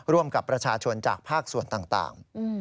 ร่วมกับประชาชนจากภาคส่วนต่าง